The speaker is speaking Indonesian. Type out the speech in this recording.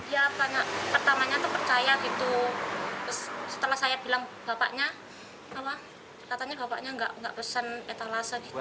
ya banyak pertamanya itu percaya gitu setelah saya bilang bapaknya katanya bapaknya nggak pesen etalase gitu